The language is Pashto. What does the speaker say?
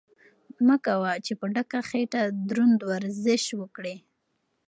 مه کوه چې په ډکه خېټه دروند ورزش وکړې.